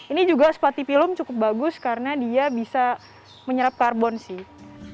ini juga sepati film cukup bagus karena dia bisa menyerap karbon sih